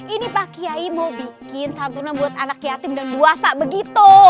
ini pak kiai mau bikin santunan buat anak yatim dan luasa begitu